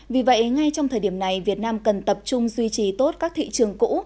vì vậy ngay trong thời điểm này việt nam cần tập trung duy trì tốt các thị trường cũ